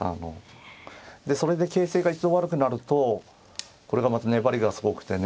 でそれで形勢が一度悪くなるとこれがまた粘りがすごくてね。